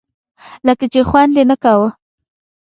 لکه چې خوند یې نه کاوه.